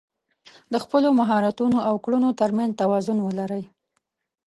د خپلو مهارتونو او کړنو تر منځ توازن ولرئ.